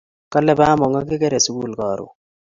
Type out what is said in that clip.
Kale bamongo kikere sukul karun